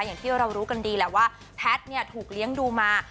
อย่างที่เรารู้กันดีแหละว่าแพทย์เนี่ยถูกเลี้ยงดูมา